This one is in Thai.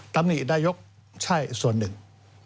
ตรงนี้ได้ยกส่วนนึง